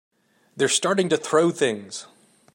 They're starting to throw things!